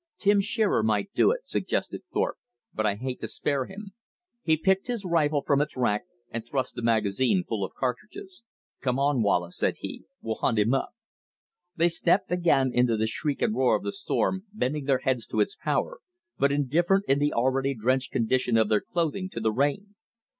"Tim Shearer might do it," suggested Thorpe, "but I hate to spare him." He picked his rifle from its rack and thrust the magazine full of cartridges. "Come on, Wallace," said he, "we'll hunt him up." They stepped again into the shriek and roar of the storm, bending their heads to its power, but indifferent in the already drenched condition of their clothing, to the rain.